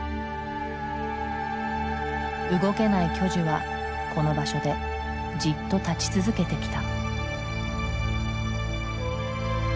動けない巨樹はこの場所でじっと立ち続けてきた。